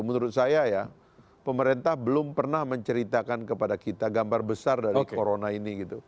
menurut saya ya pemerintah belum pernah menceritakan kepada kita gambar besar dari corona ini gitu